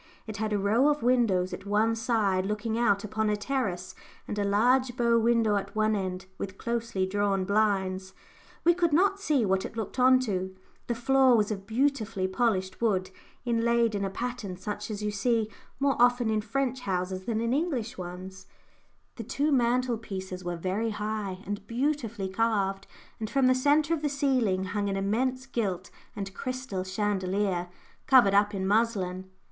It had a row of windows at one side looking out upon a terrace, and a large bow window at one end, with closely drawn blinds we could not see what it looked on to; the floor was of beautifully polished wood, inlaid in a pattern such as you see more often in French houses than in English ones; the two mantelpieces were very high, and beautifully carved, and from the centre of the ceiling hung an immense gilt and crystal chandelier, covered up in muslin.